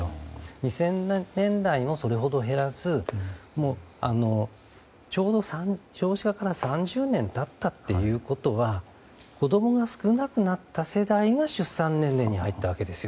２０００年代も、それほど減らずちょうど少子化から３０年経ったということは子供が少なくなった世代が出産年齢に入ったわけですよ。